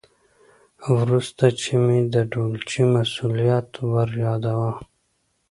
ورسته چې مې د ډولچي مظلومیت وریاداوه.